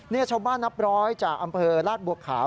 นี่ชาวบ้านนับร้อยจากอำเภอลาดบัวขาว